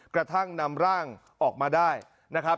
กระทั่งนำร่างออกมาได้นะครับ